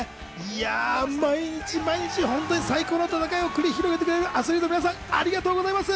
毎日、毎日本当に最高の戦いを繰り広げてくれているアスリート皆さん、ありがとうございます。